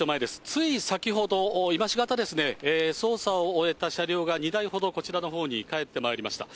つい先ほど、今しがたですね、捜査を終えた車両が２台ほどこちらのほうに帰ってまいりました。